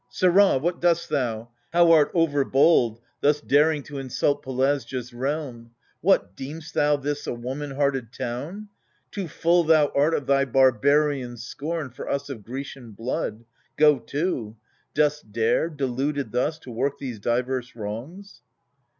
Sirrah, what dost thou ? how art overbold Thus daring to insult Pelasgia's realm ? What, deem'st thou this a woman hearted town ? Too full thou art of thy barbarian scorn For us of Grecian blood. Go to ; dost dare, Deluded thus, to work these divers wrongs